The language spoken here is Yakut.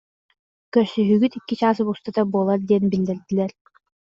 Көрсүһүүгүт икки чаас устата буолар диэн биллэрдилэр